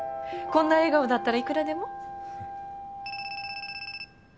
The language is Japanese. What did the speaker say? こんな笑顔だったらいくらでも。